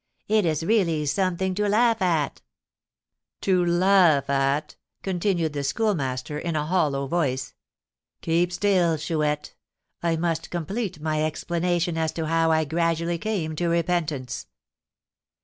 "It is really something to laugh at." "To laugh at?" continued the Schoolmaster, in a hollow voice. "Keep still, Chouette; I must complete my explanation as to how I gradually came to repentance.